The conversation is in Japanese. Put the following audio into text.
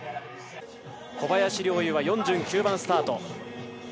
小林陵侑は４９番スタート。